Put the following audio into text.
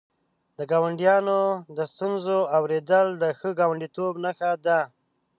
د ګاونډیانو د ستونزو اورېدل د ښه ګاونډیتوب نښه ده.